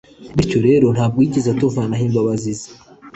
bityo rero, nta bwo yigera atuvanaho imbabazi ze